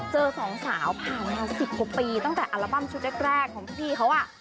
สองสาวผ่านมา๑๐กว่าปีตั้งแต่อัลบั้มชุดแรกของพี่เขาอ่ะ